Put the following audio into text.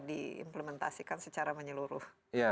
diimplementasikan secara menyeluruh